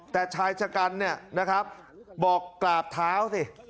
แต่ชายชะกันเนี่ยนะครับบอกกราบเท้าสิ